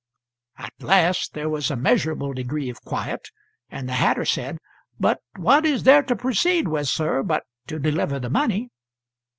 At last there was a measurable degree of quiet, and the hatter said: "But what is there to proceed with, sir, but to deliver the money?"